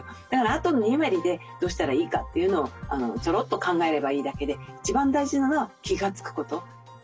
だからあとの２割でどうしたらいいかというのをちょろっと考えればいいだけで一番大事なのは気がつくこと。